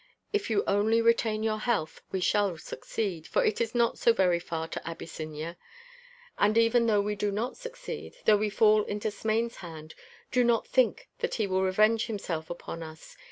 If you only retain your health, we shall succeed, for it is not so very far to Abyssinia. And even though we do not succeed, though we fall into Smain's hand, do not think that he will revenge himself upon us.